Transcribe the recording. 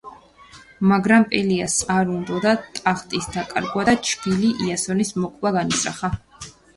მაგრამ პელიასს არ უნდოდა ტახტის დაკარგვა და ჩვილი იასონის მოკვლა განიზრახა.